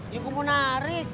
ya kumuh narik